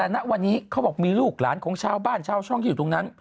แต่ณวันนี้เขาบอกมีลูกหลานของชาวบ้านชาวช่องที่อยู่ตรงนั้น